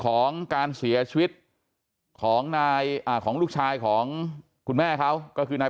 ของการเสียชีวิตของนายอ่าของลูกชายของคุณแม่เขาก็คือนาย